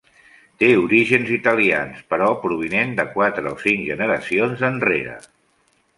Té orígens italians però provinent de quatre o cinc generacions enrere.